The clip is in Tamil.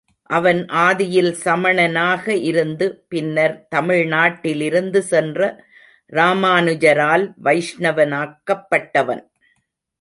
அவன் ஆதியில் சமணனாக இருந்து பின்னர் தமிழ்நாட்டிலிருந்து சென்ற ராமானுஜரால் வைஷ்ணவனாக்கப்பட்டவன்.